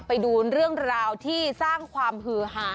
ไปดูเรื่องราวที่สร้างความหือหา